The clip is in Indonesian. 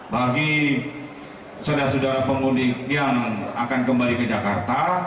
bagi saudara saudara pemudik yang akan kembali ke jakarta